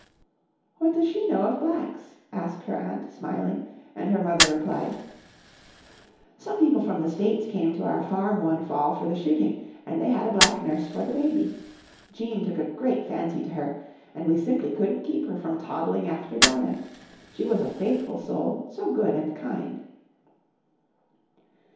"What does she know of Blacks?" asked her aunt, smiling, and her mother replied, " Some people from the States came to our farm one fall for the shooting and they had a black nurse for the baby. Jean took a great fancy to her, and we simply couldn't keep her from toddling after Dinah. She was a faithful soul, so good and kind."